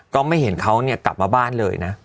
ก็ไม่เห็นเขาเนี่ยกลับมาบ้านเลยนะ